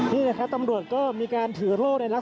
คุณภูริพัฒน์ครับ